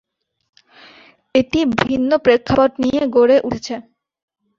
এটি ভিন্ন প্রেক্ষাপট নিয়ে গড়ে উঠেছে।